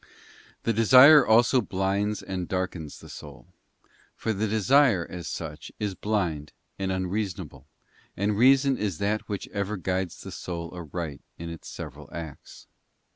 The desire also blinds and darkens the soul, for the desire, as such, is blind and unreasonable, and reason is that which ever guides the soul aright in its several acts.